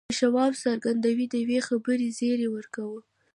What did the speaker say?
د شواب څرګندونو د یوې خبرې زیری ورکاوه